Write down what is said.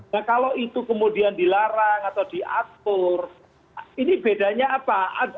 nah kalau itu kemudian dilarang atau diatur ini bedanya apa